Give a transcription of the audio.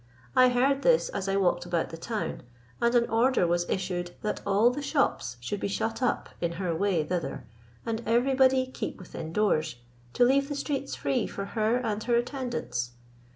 I heard this as I walked about the town, and an order was issued that all the shops should be shut up in her way thither, and everybody keep within doors, to leave the streets free for her and her attendants.